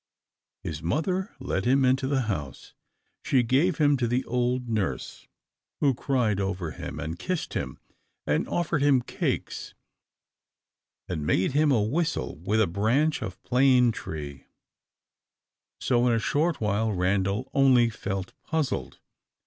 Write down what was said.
His mother led him into the house. She gave him to the old nurse, who cried over him, and kissed him, and offered him cakes, and made him a whistle with a branch of plane tree, So in a short while Randal only felt puzzled.